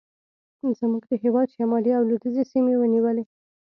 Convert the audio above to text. زموږ د هېواد شمالي او لوېدیځې سیمې ونیولې.